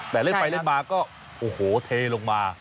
แต่เล่นไปเล่นมาก็โอ้โหเทลงมา